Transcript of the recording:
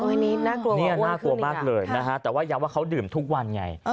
อันนี้น่ากลัวนะน่ากลัวมากเลยนะฮะแต่ว่าย้ำว่าเขาดื่มทุกวันไง